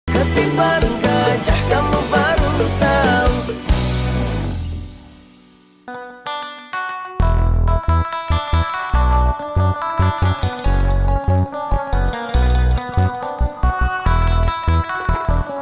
kejah kamu baru tahu